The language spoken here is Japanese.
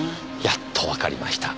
やっとわかりました。